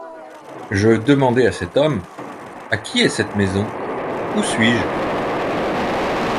Je demandai à cet homme: — À qui est cette maison? où suis-je ?